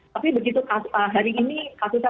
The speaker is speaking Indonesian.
tapi begitu hari ini kasusnya